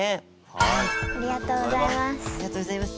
ありがとうございます。